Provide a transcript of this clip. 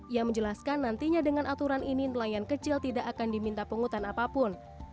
ia menjelaskan nantinya dengan aturan ini nelayan kecil tidak akan diminta penghutan apapun